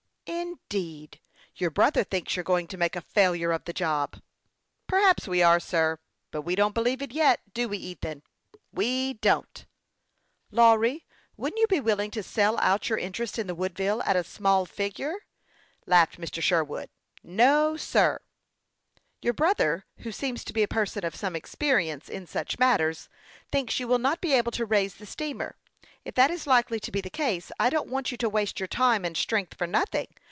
" Indeed ! Your brother thinks you are going to make a failure of the job." " Perhaps AVC are, sir ; but we don't believe it yet do we Ethan ?" "We don't." " Lawry, wouldn't you be willing to sell out your interest in the Woodville at a small figure ?" laughed Mr. Sherwood. " Xo, sir !" THE YOUNO PILOT OF LAKE CHAMPLAIN. 137 " Your brother, who seems to be a person of some experience in such matters, thinks you will not be able to raise the steamer. If that is likely to be the case, I don't want you to waste your time and strength for nothing.